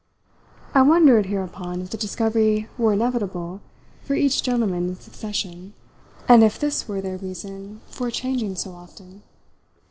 I wondered hereupon if the discovery were inevitable for each gentleman in succession, and if this were their reason for changing so often.